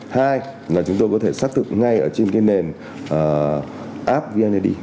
hai là chúng tôi có thể xác thực ngay ở trên cái nền app vned